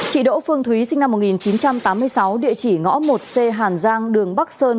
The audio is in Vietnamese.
chị đỗ phương thúy sinh năm một nghìn chín trăm tám mươi sáu địa chỉ ngõ một c hàn giang đường bắc sơn